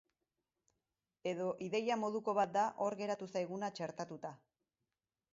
Edo ideia moduko bat da hor geratu zaiguna txertatuta.